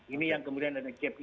ini yang kemudian ada gap ini